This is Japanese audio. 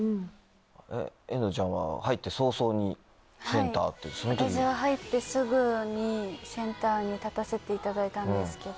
遠藤ちゃんは入って早々にセンター。に立たせていただいたんですけど。